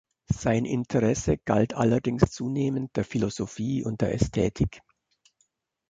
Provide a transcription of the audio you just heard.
Sein Interesse galt allerdings zunehmend der Philosophie und der Ästhetik.